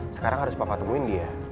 sekarang harus papa temuin dia